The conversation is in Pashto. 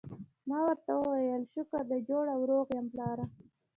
ما ورته وویل: شکر دی جوړ او روغ یم، پلاره.